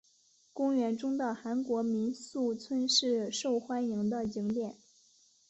公园中的韩国民俗村是受欢迎的景点。